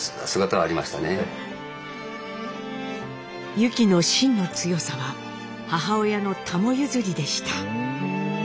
ユキのしんの強さは母親のタモ譲りでした。